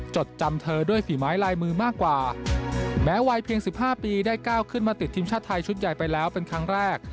จดจำเธอด้วยฝีไม้ลายมือมากกว่าแม้วัยเพียง๑๕ปีได้ก้าวขึ้นมาติดทีมชาติไทยชุดใหญ่ไปแล้วเป็นครั้งแรก